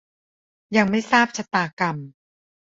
ยังไม่ทราบชะตากรรม